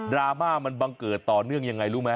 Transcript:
ราม่ามันบังเกิดต่อเนื่องยังไงรู้ไหม